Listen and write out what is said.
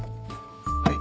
はい。